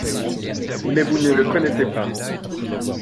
Mais vous ne le connaissez pas…